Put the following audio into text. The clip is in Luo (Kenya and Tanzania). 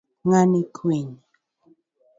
Ng'ani kwinya.